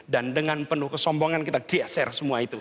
dan dengan kesombongan kita